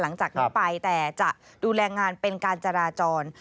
หลังจากนี้ไปแต่จะดูแลงานเป็นการจราจร